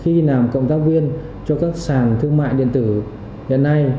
khi nào công tác viên cho các sàn thương mại điện tử hiện nay